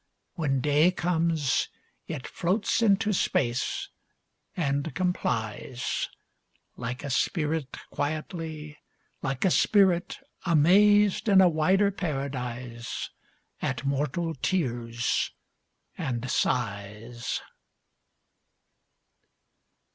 When day comes, it floats into space and com plies ; Like a spirit quietly, Like a spirit, amazed in a wider paradise At mortal tears and sighs.